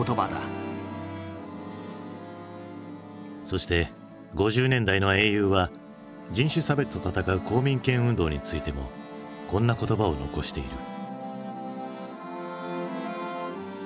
そして５０年代の英雄は人種差別と闘う公民権運動についてもこんな言葉を残している。